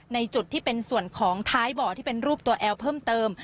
จุดที่เป็นส่วนของท้ายบ่อที่เป็นรูปตัวแอลเพิ่มเติม